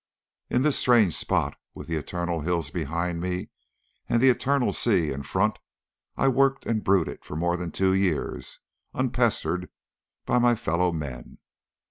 In this strange spot, with the eternal hills behind me and the eternal sea in front, I worked and brooded for more than two years unpestered by my fellow men.